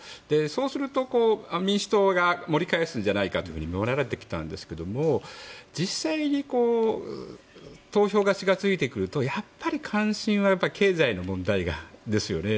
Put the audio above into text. そうすると民主党が盛り返すんじゃないかと言われてきたんですけど実際に投票が近づいてくるとやっぱり関心は経済の問題ですよね。